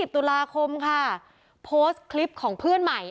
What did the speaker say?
ตุลาคมค่ะโพสต์คลิปของเพื่อนใหม่